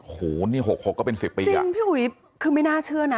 โหนี่หกก็เป็นสิบปีอีกจริงพี่หุยคือไม่น่าเชื่อนะ